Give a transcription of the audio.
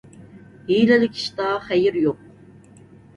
ھىيلىلىك ئىشتا خەير يوق.